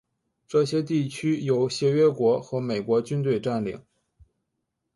这些地区由协约国和美国军队占领。